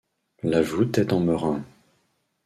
La voûte est en merrain.